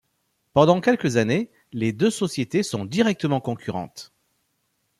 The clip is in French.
Pendant quelques années, les deux sociétés sont directement concurrentes.